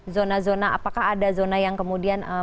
zona zona apakah ada zona yang kemudian